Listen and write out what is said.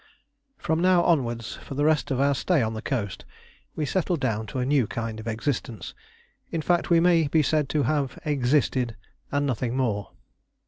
From now onwards, for the rest of our stay on the coast, we settled down to a new kind of existence in fact we may be said to have existed, and nothing more.